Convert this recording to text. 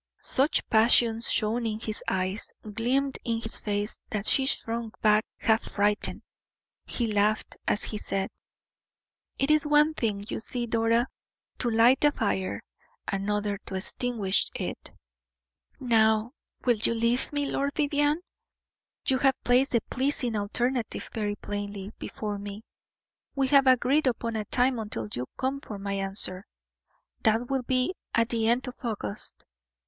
Such passion shone in his eyes, gleamed in his face, that she shrunk back half frightened. He laughed, as he said: "It is one thing, you see, Dora, to light a fire, another to extinguish it." "Now, will you leave me, Lord Vivianne? You have placed the pleasing alternative very plainly before me; we have agreed upon a time until you come for my answer that will be at the end of August.